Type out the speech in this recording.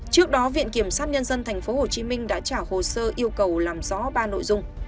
trước đó viện kiểm sát nhân dân tp hcm đã trả hồ sơ yêu cầu làm rõ ba nội dung